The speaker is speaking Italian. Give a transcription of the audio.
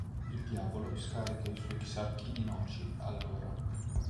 Il diavolo scarica i suoi sacchi di noci, allora.